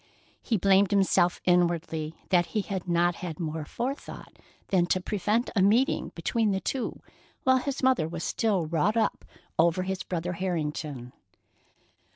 He blamed himself inwardly that he had not had more forethought than to prevent a meeting between the two while his mother was still wrought up over his brother Harrington.